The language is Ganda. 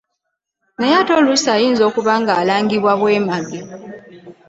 Naye ate oluusi ayinza okuba nga alangibwa bwemage.